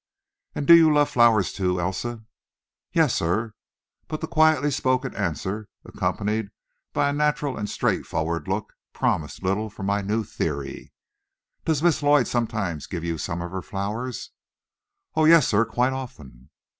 "And do you love flowers too, Elsa?" "Yes, sir." But the quietly spoken answer, accompanied by a natural and straightforward look promised little for my new theory. "Does Miss Lloyd sometimes give you some of her flowers?" "Oh, yes, sir, quite often."